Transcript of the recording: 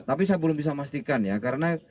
tapi saya belum bisa memastikan ya karena